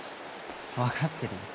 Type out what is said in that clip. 分かってるよ。